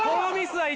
はい。